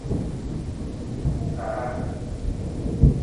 U karaa.